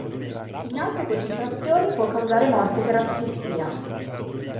In alte concentrazioni può causare morte per asfissia.